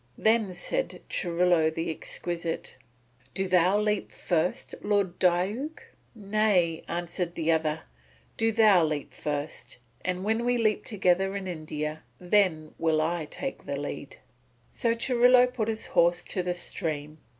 Then said Churilo the Exquisite: "Do thou leap first, Lord Diuk." "Nay," answered the other, "do thou leap first, and when we leap together in India, then will I take the lead." So Churilo put his horse to the stream.